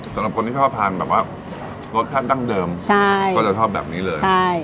สำหรับคนที่ชอบทานแบบว่ารสชาติดั้งเดิมใช่ก็จะชอบแบบนี้เลยใช่